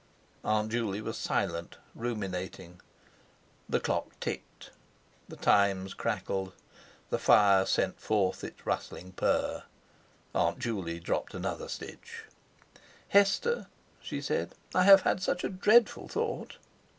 Aunt Juley was silent, ruminating. The clock ticked, The Times crackled, the fire sent forth its rustling purr. Aunt Juley dropped another stitch. "Hester," she said, "I have had such a dreadful thought."